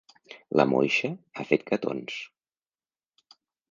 La moixa ha fet gatons.